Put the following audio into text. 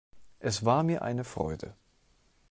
Es war mir eine Freude.